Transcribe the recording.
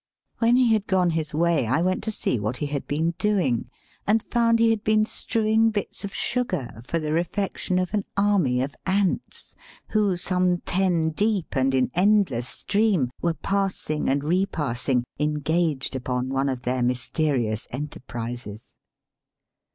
When VOL. II. 31 Digitized by VjOOQIC 178 EAST BY WEST. he had gone his way I went to see what he had been doing, and found he had been strew ing bits of sugar for the refection of an army of ants, who, some ten deep and in endless stream, were passing and repassing, engaged upon one of their mysterious enterprises.